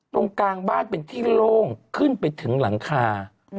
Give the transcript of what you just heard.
ตรงกลางบ้านเป็นที่โล่งขึ้นไปถึงหลังคา